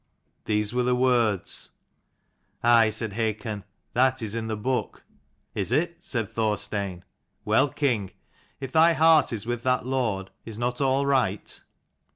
These were the words." " Aye," said Hakon, "that is in the book." " Is it?" said Thorstein. " Well, king, and if thy heart is with that Lord, is not all right